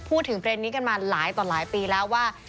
พูดถึงประเด็นนี้กันมาหลายต่อหลายปีแล้วว่า